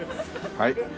はい。